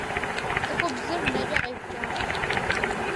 Цӏыхубзыр нэкӏэ къепыджащ.